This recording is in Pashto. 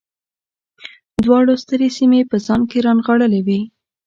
دواړو سترې سیمې په ځان کې رانغاړلې وې